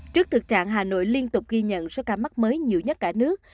trước thực trạng hà nội liên tục ghi nhận số ca mắc mới nhiều nhất cả nước